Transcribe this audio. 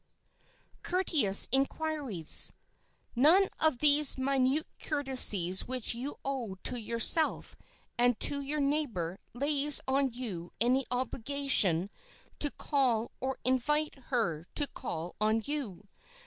[Sidenote: COURTEOUS INQUIRIES] None of these minute courtesies which you owe to yourself and to your neighbor lays on you any obligation to call, or to invite her to call on you.